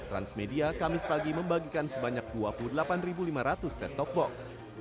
transmedia kamis pagi membagikan sebanyak dua puluh delapan lima ratus set top box